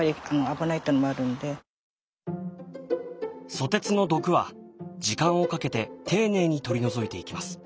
ソテツの毒は時間をかけて丁寧に取り除いていきます。